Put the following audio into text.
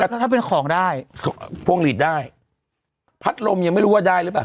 แต่ถ้าถ้าเป็นของได้พวงหลีดได้พัดลมยังไม่รู้ว่าได้หรือเปล่า